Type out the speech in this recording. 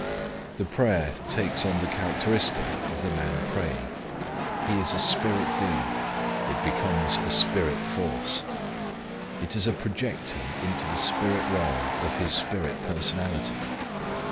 The prayer takes on the characteristic of the man praying. He is a spirit being. It becomes a spirit force. It is a projecting into the spirit realm of his spirit personality.